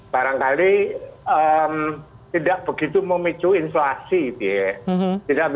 barangkali tidak begitu memicu inflasi gitu ya